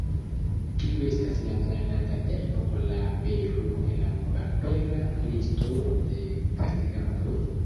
Kiu estas la planata tempo por la apero de la papera listo de gastigantoj?